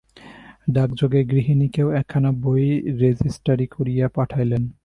ডাকযোগে গৃহিণীকেও একখানা বই রেজেস্টারি করিয়া পাঠাইলেন।